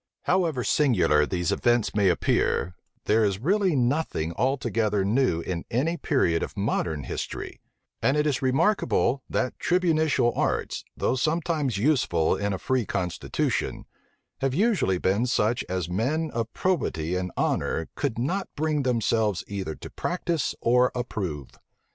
But however singular these events may appear, there is really nothing altogether new in any period of modern history: and it is remarkable, that tribunitian arts, though sometimes useful in a free constitution, have usually been such as men of probity and honor could not bring themselves either to practise or approve.